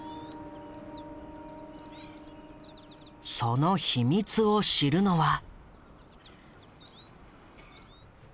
その秘密を知るのは。